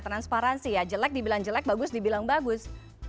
transparansi ya jelek dibilang jelek bagus dibilang bagus